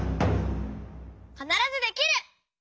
「かならずできる！」。